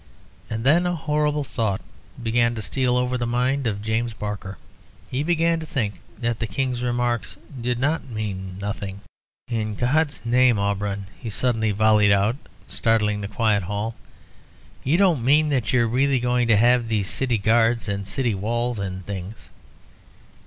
And then a horrible thought began to steal over the mind of James Barker. He began to think that the King's remarks did not mean nothing. "In God's name, Auberon," he suddenly volleyed out, startling the quiet hall, "you don't mean that you are really going to have these city guards and city walls and things?"